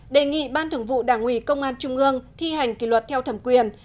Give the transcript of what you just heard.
đề nghị ban thường vụ đảng ủy công an trung ương thi hành kỷ luật theo thẩm quyền